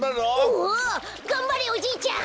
おがんばれおじいちゃん